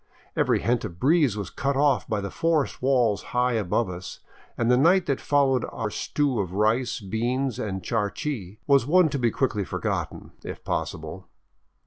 Every hint of breeze was cut off by the forest walls high above us, and the night that followed our stew of rice, beans, and charqui was one to be quickly forgotten — if possible.